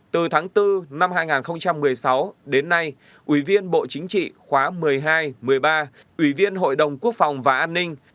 từ tháng bốn năm hai nghìn một mươi sáu đến nay ủy viên bộ chính trị khóa một mươi hai một mươi ba ủy viên hội đồng quốc phòng và an ninh